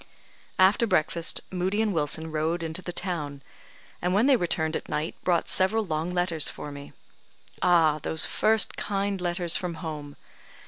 After breakfast, Moodie and Wilson rode into the town; and when they returned at night brought several long letters for me. Ah! those first kind letters from home!